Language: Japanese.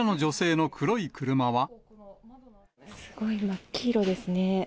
すごい真っ黄色ですね。